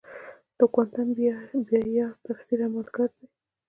د کوانټم بیارد تفسیر عملگر دی.